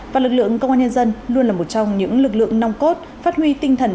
và lực lượng công an nhân dân luôn là một trong những lực lượng nong cốt phát huy tinh thần